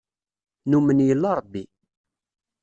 Numen yella Ṛebbi.